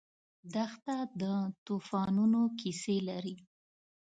دښته د توفانونو کیسې لري.